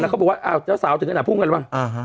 แล้วเขาบอกว่าอ่าเจ้าสาวถึงขนาดพูดงันหรือเปล่าอ่าฮะ